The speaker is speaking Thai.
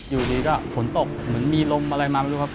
อยู่ดีก็ผลตกเหมือนมีลมอะไรมาแล้วครับ